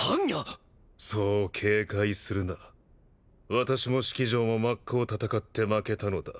私も式尉も真っ向戦って負けたのだ。